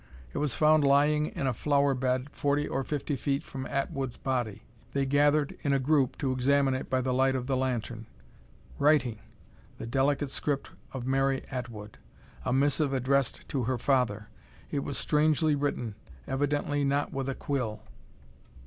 It was found lying in a flower bed forty or fifty feet from Atwood's body. They gathered in a group to examine it by the light of the lantern. Writing! The delicate script of Mary Atwood! A missive addressed to her father. It was strangely written, evidently not with a quill.